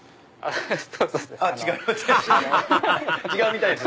違うみたいです。